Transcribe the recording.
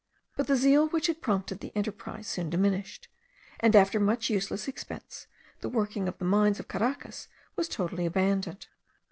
But the zeal which had prompted the enterprise soon diminished, and after much useless expense, the working of the mines of Caracas was totally abandoned.